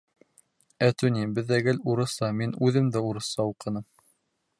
Әтү ни, беҙҙә гел урыҫса, мин үҙем дә урыҫса уҡыным.